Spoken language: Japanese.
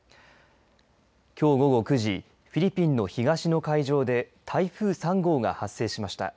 きょう午後９時フィリピンの東の海上で台風３号が発生しました。